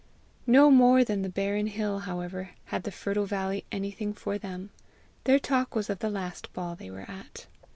No more than the barren hill, however, had the fertile valley anything for them. Their talk was of the last ball they were at.